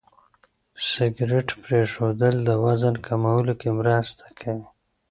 سګرېټ پرېښودل د وزن کمولو کې مرسته کوي.